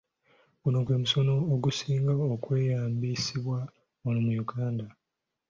Guno gwe musono ogusinga okweyambisibwa wano mu Uganda.